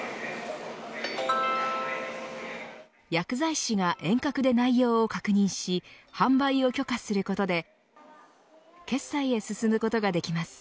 薬剤師が遠隔で内容を確認し販売を許可することで決済へ進むことができます。